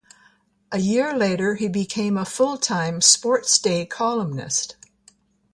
A year later, he became a full-time "SportsDay" columnist.